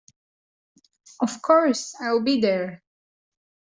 Of course, I’ll be there!